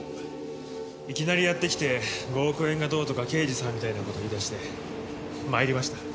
いきなりやって来て５億円がどうとか刑事さんみたいなことを言い出して参りました。